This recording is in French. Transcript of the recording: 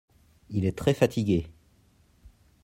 Il est très fatigué.